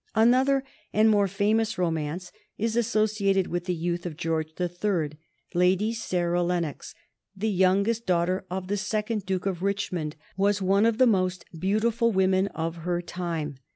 Another and more famous romance is associated with the youth of George the Third. Lady Sarah Lennox, the youngest daughter of the second Duke of Richmond, was one of the most beautiful women of her time.